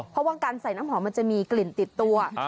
เพราะว่าการใส่น้ำหอมมันจะมีกลิ่นติดตัว